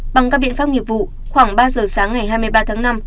bằng các biện pháp nghiệp vụ khoảng ba giờ sáng ngày hai mươi ba tháng năm